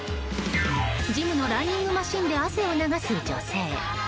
ジムのランニングマシンで汗を流す女性。